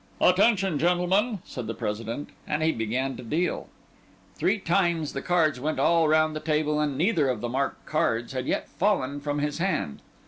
"Attention, gentlemen!" said the President, and he began to deal. Three times the cards went all round the table, and neither of the marked cards had yet fallen from his hand.